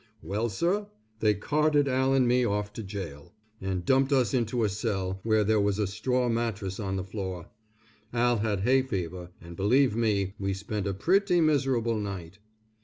Well sir, they carted Al and me off to jail, and dumped us into a cell, where there was a straw mattress on the floor. Al had hay fever, and, believe me, we spent a pretty miserable night.